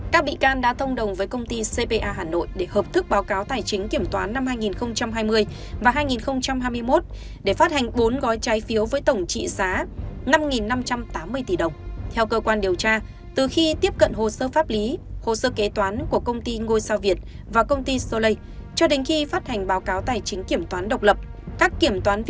các bị can đã thông đồng với công ty cpa hà nội để hợp thức báo cáo tài chính kiểm toán